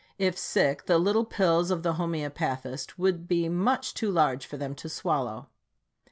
If sick, the little pills of the homeopathist would be much too large for them to swallow.